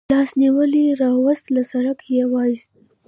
لاس نیولی راوست، له سړک یې و ایست.